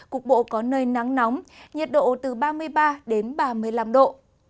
cục bộ có nơi nắng nóng nhiệt độ từ ba mươi ba đến ba mươi năm độ